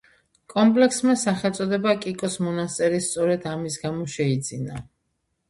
კომპლექსმა სახელწოდება კიკოს მონასტერი სწორედ ამის გამო შეიძინა.